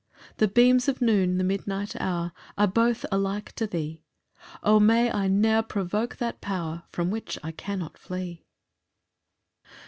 10 The beams of noon, the midnight hour, Are both alike to thee: O may I ne'er provoke that power From which I cannot flee!